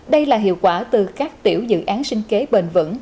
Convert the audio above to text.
đây là hiệu quả từ các tiểu dự án sinh kế bền vững